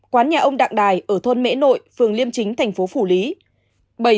quán nhà ông đặng đài ở thôn mễ nội phường liêm chính thành phố phủ lý